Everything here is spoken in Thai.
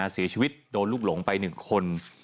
เสียชีวิตโดนลูกหลงไป๑คน